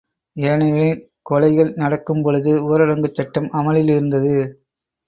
ஏனெனில் கொலைகள் நடக்கும் பொழுது ஊரடங்குச் சட்டம் அமுலில் இருந்தது.